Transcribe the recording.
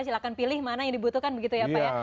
silahkan pilih mana yang dibutuhkan begitu ya pak ya